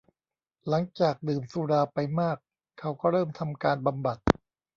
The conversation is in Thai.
หลังจากดื่มสุราไปมากเขาก็เริ่มทำการบำบัด